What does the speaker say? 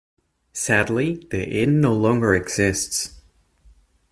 Sadly, the Inn no longer exists.